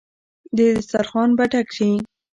دسترخان به ډک شي.